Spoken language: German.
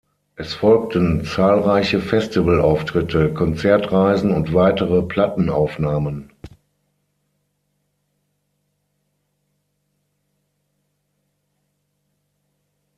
Es folgten zahlreiche Festivalauftritte, Konzertreisen und weitere Plattenaufnahmen.